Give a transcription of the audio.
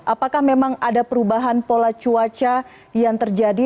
apakah memang ada perubahan pola cuaca yang terjadi